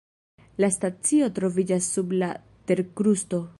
La stacio troviĝas sub la terkrusto.